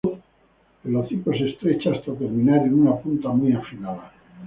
El hocico se estrecha hasta terminar en una punta muy afilada.